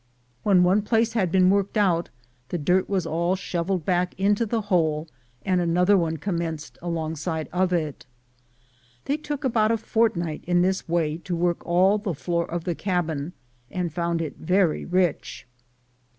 When one place had been worked out, the dirt was all shoveled back into the hole, and another one commenced alongside of it. They took about a fortnight in tliis way to work all the floor of the cabin, and found it very rich.